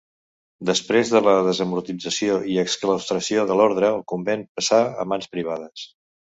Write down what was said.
Després de la desamortització i exclaustració de l'ordre, el convent passà a mans privades.